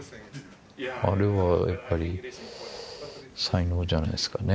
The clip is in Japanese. あれはやっぱり才能じゃないですかね。